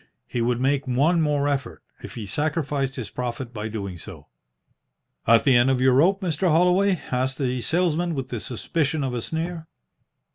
He would make one more effort, if he sacrificed his profit by doing so. "At the end of your rope, Mr. Holloway?" asked the salesman, with the suspicion of a sneer.